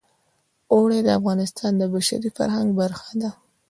اوړي د افغانستان د بشري فرهنګ برخه ده.